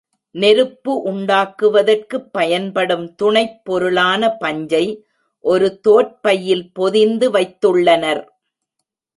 நெருப்பு உண்டாக்குவதற்குப் பயன்படும் துணைப் பொருளான பஞ்சை ஒரு தோற் பையில் பொதிந்து வைத்துள்ளனர்.